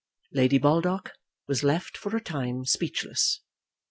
Lady Baldock was left for a time speechless.